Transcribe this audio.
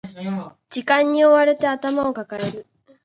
時間に追われて頭を抱える